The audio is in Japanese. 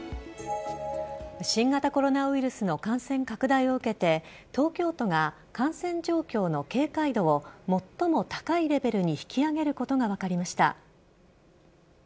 新型コロナウイルスの感染拡大を受けて東京都が感染状況の警戒度を最も高いレベルに引き上げることが分かりました。